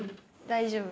大丈夫。